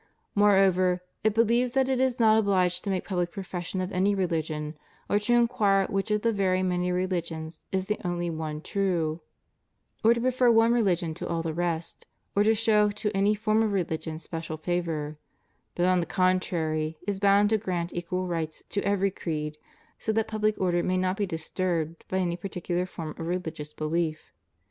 Moreover, it believes that it is not obliged to make public profession of any religion; or to inquire which of the very many religions is the only one true; or to prefer one religion to all the rest; or to show to any form of religion special favor; but, on the con trar} ^, is bound to grant equal rights to every creed, so that public order may not be disturbed by any particular form of religious belief.